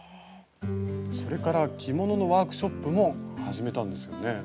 それから着物のワークショップも始めたんですよね。